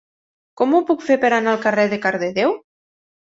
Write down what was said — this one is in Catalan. Com ho puc fer per anar al carrer de Cardedeu?